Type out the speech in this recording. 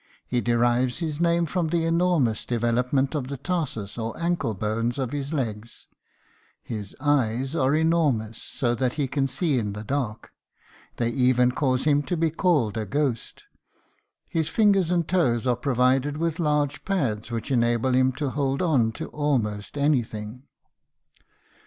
He derives his name from the enormous development of the tarsus, or ankle bones of his legs. His eyes are enormous, so that he can see in the dark. They even cause him to be called a ghost. His fingers and toes are provided with large pads, which enable him to hold on to almost anything.